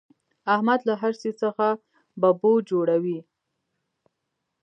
احمد له هر شي څخه ببو جوړوي.